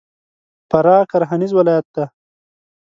فراه کرهنیز ولایت دی.